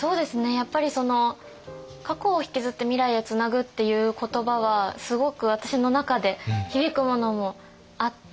やっぱりその過去をひきずって未来へつなぐっていう言葉はすごく私の中で響くものもあって。